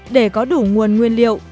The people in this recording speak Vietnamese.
để có đủ nguồn nguyên liệu